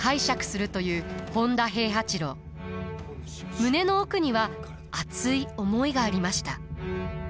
胸の奥には熱い思いがありました。